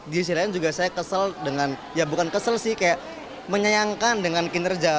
di sisi lain juga saya kesel dengan ya bukan kesel sih kayak menyayangkan dengan kinerja